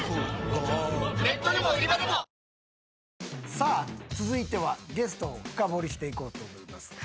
さあ続いてはゲストを深掘りしていこうと思います。